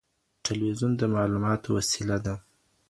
ټلويزيون د معلوماتو وسيله ده.